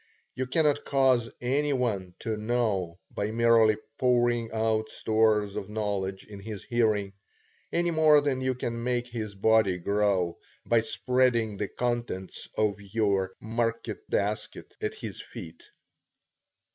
You cannot cause any one to know, by merely pouring out stores of knowledge in his hearing, any more than you can make his body grow by spreading the contents of your market basket at his feet.